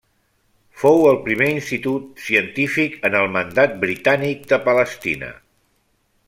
Fou el primer institut científic en el Mandat Britànic de Palestina.